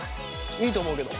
いいと思うけど。